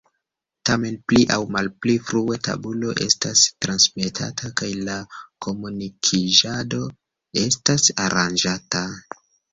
Tamen pli aŭ malpli frue tabulo estas transmetata kaj la komunikiĝado estas aranĝata.